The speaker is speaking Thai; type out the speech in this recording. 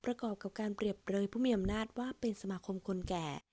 ประกอบกับการเปรียบเปลยผู้มีอำนาจว่าเป็นสมาคมคนแก่